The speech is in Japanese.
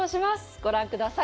ご覧ください。